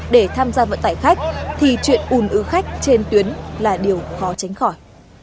để tham gia vận tải khách thì chuyện ùn ứ khách trên tuyến là điều khó tránh khỏi